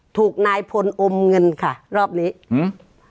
ถูกนายพลอมเงินค่ะรอบนี้อืม